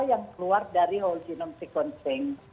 yang keluar dari whole genome sequencing